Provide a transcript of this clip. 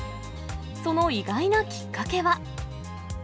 その意外なきっかけは。